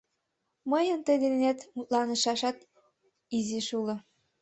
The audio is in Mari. Мыйын тый денет мутланышашат изиш уло.